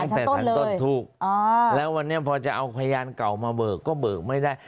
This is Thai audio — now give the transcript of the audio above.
สารต้นถูกแล้ววันนี้พอจะเอาพยานเก่ามาเบิกก็เบิกไม่ได้